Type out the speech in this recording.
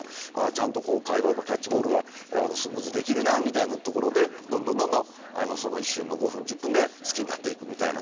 ちゃんと会話のキャッチボールがスムーズにできるなみたいなとこでどんどんその一瞬の５分１０分で好きになっていくみたいな。